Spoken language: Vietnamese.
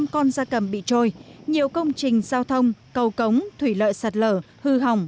bốn tám trăm linh con da cầm bị trôi nhiều công trình giao thông cầu cống thủy lợi sạt lở hư hỏng